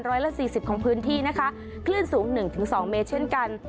ร้อยละ๔๐ของพื้นที่นะคะคลื่นสูง๑๒เมตรเช่นกัน